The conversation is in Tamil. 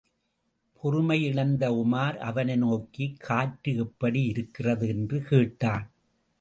பொறுமையிழந்த உமார் அவனை நோக்கி, காற்று எப்படி இருக்கிறது? என்று கேட்டான்.